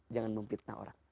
jangan memfitnah orang